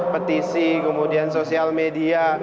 petisi kemudian sosial media